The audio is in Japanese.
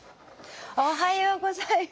おはようございます。